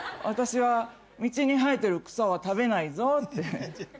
私は道に生えてる草は食べないぞって。